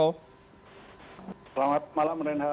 selamat malam renha